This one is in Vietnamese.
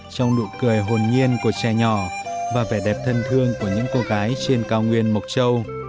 trong nụ cười hồn nhiên của trẻ nhỏ và vẻ đẹp thân thương của những cô gái trên cao nguyên mộc châu